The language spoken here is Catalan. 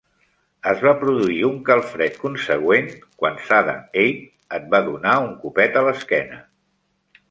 Es va produir un calfred consegüent quan Sada Abe et va donar un copet a l'esquena.